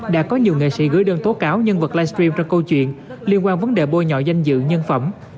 đã có nhiều nghệ sĩ gửi đơn tố cáo nhân vật livestream cho câu chuyện liên quan vấn đề bôi nhọ danh dự nhân phẩm